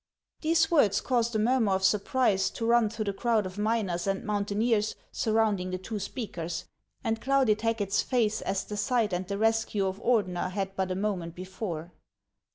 These words caused a murmur of surprise to run through the crowd of miners and mountaineers sur rounding the two speakers, and clouded Hacket's face as the sight and the rescue of Ordener had but a mo ment before.